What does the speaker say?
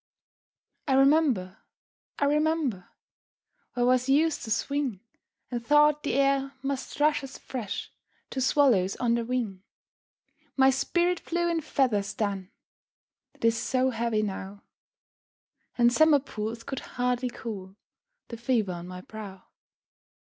I remember, I remember, Where I was used to swing, And thought the air must rush as fresh To swallows on the wing; My spirit flew in feathers then, That is so heavy now, And summer pools could hardly cool The fever on my brow!